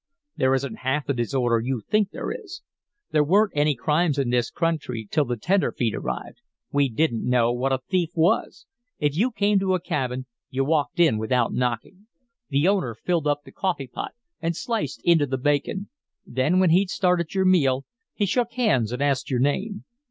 "There isn't half the disorder you think there is. There weren't any crimes in this country till the tenderfeet arrived. We didn't know what a thief was. If you came to a cabin you walked in without knocking. The owner filled up the coffee pot and sliced into the bacon; then when he'd started your meal, he shook hands and asked your name.